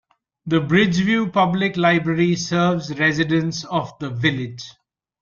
The Bridgeview Public Library serves residents of the village.